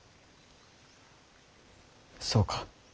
そうか。